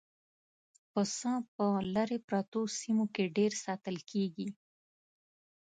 پسه په لرې پرتو سیمو کې ډېر ساتل کېږي.